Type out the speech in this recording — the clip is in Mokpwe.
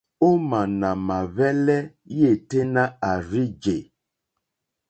Òmá nà mà hwɛ́lɛ́ yêténá à rzí jè.